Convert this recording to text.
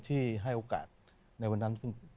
ที่ให้โอกาสในวันนั้น